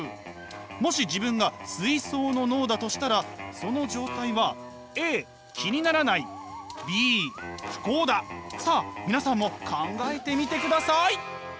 もし自分が水槽の脳だとしたらその状態はさあ皆さんも考えてみてください。